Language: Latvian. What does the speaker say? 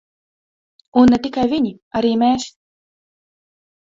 Un ne tikai viņi, arī mēs.